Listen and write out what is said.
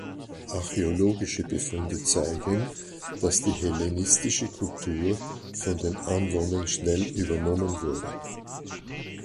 Archäologische Befunde zeigen, dass die hellenistische Kultur von den Anwohnern schnell übernommen wurde.